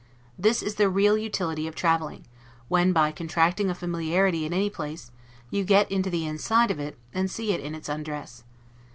This is the real utility of traveling, when, by contracting a familiarity at any place, you get into the inside of it, and see it in its undress.